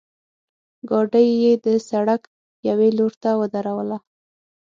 ګاډۍ یې د سړک یوې لورته ودروله.